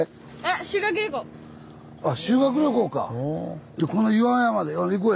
あ修学旅行か。